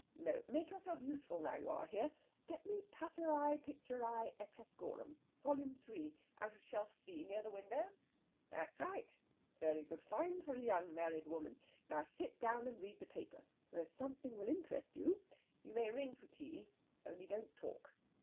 No! make yourself useful now you are here. Get me 'Passeri Picturæ Etruscorum,' volume three, out of shelf C near the window ... that's right. Very good find for a young married woman. Now sit down and read the paper there's something will interest you. You may ring for tea, only don't talk."